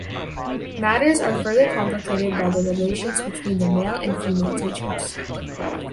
Matters are further complicated by the relations between the male and female teachers.